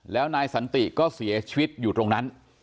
แล้วนายสันติก็เสียชีวิตอยู่ตรงนั้น